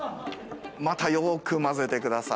またよく混ぜてください。